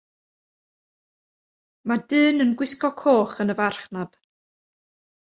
Mae dyn yn gwisgo coch yn y farchnad.